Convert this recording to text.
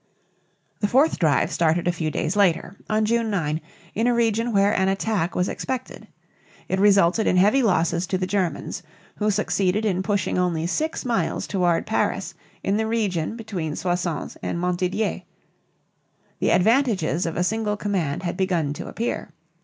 The fourth drive started a few days later, on June 9, in a region where an attack was expected. It resulted in heavy losses to the Germans, who succeeded in pushing only six miles toward Paris in the region between Soissons and Montdidier (mawn dee dyā´). The advantages of a single command had begun to appear.